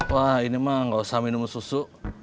wah ini mah gak usah minum susu